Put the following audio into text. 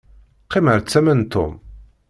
Qqim ar tama n Tom.